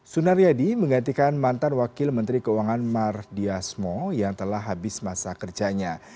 sunaryadi menggantikan mantar wakil menteri keuangan mar diasmo yang telah habis masa kerjanya